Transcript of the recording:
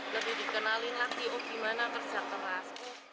lebih dikenalin laki laki oh gimana kerja keras